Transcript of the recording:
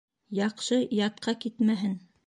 Яҡшы ятҡа китмәһен.